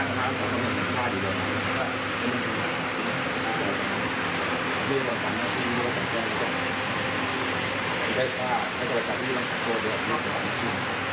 พี่กัฎกิจเป็นนี้มันคือคำภาษาของทุกสันติมัน